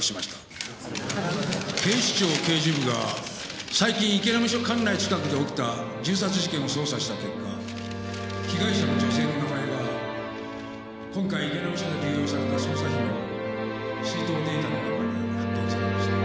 警視庁刑事部が最近池波署管内近くで起きた銃殺事件を捜査した結果被害者の女性の名前が今回池波署で流用された捜査費の出納データの中に発見されました。